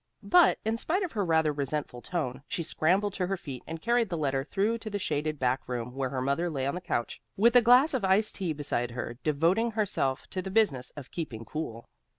But, in spite of her rather resentful tone, she scrambled to her feet, and carried the letter through to the shaded back room where her mother lay on the couch, with a glass of ice tea beside her, devoting herself to the business of keeping cool.